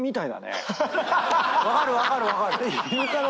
分かる分かる分かる。